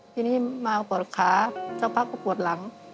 ทีนี้มากว่าปวดข้าเจ้าครับก็ปวดหลัง